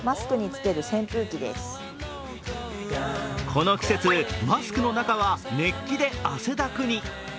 この季節、マスクの中は熱気で汗だくに。